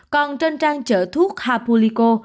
còn trên trang chợ thuốc hapulico